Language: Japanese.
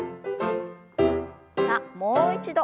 さあもう一度。